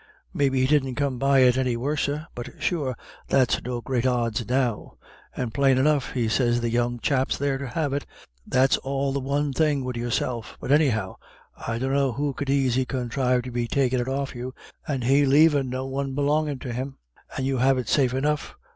Maybe he didn't come by it any worser; but sure that's no great odds now. And plain enough he sez the young chap there's to have it that's all the one thing wid yourself. But, anyhow, I dunno who could aisy conthrive to be takin' it off you, and he lavin' no one belongin' to him. You have it safe enough.